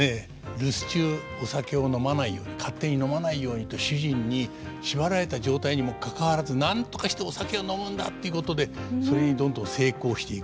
留守中お酒を飲まないように勝手に飲まないようにと主人に縛られた状態にもかかわらずなんとかしてお酒を飲むんだということでそれにどんどん成功していく。